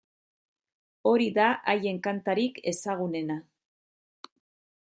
Hori da haien kantarik ezagunena.